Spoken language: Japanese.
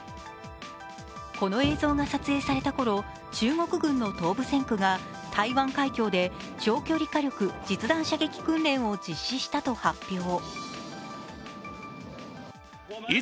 この映像が撮影された頃、中国軍の東部戦区が台湾海峡で長距離火力実弾射撃訓練を実施したと発表。